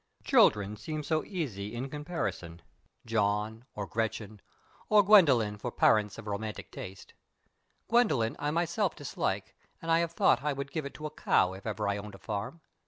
Children seem so easy in comparison John or Gretchen, or Gwendolyn for parents of romantic taste. Gwendolyn I myself dislike, and I have thought I would give it to a cow if ever I owned a farm.